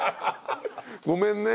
ごめんね。